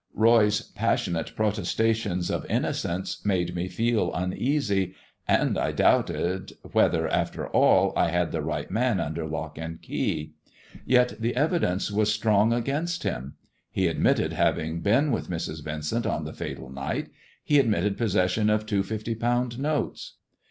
Roy's passionate protestations of innocence made me feel uneasy, and I doubted whether, after all, I had the right man under lock and key. Yet the evidence was strong against him. He admitted having been with Mrs. Vincent on the fatal night, he admitted possession of two fifty pound notes.